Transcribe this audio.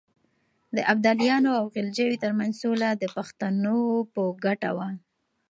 د ابدالیانو او غلجیو ترمنځ سوله د پښتنو په ګټه وه.